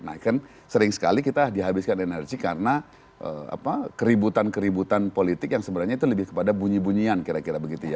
nah kan sering sekali kita dihabiskan energi karena keributan keributan politik yang sebenarnya itu lebih kepada bunyi bunyian kira kira begitu ya